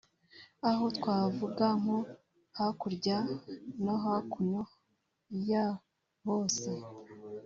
Aha twavuga nko “hakurya no hakuno ya Base”